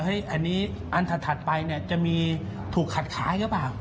เฮ้ยอันนี้อันถัดไปเนี่ยจะมีถูกขัดขายรึป่าว